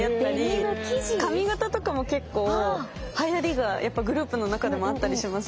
デニム生地⁉髪型とかも結構はやりがグループの中でもあったりしますね。